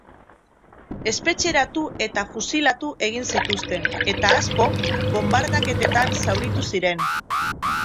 Espetxeratu eta fusilatu egin zituzten, eta asko bonbardaketetan zauritu ziren.